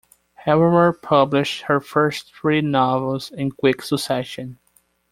Harrower published her first three novels in quick succession.